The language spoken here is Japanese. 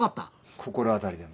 心当たりでも？